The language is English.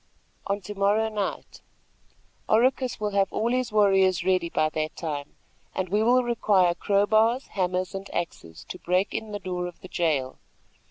"On to morrow night. Oracus will have all his warriors ready by that time, and we will require crow bars, hammers and axes, to break in the door of the jail.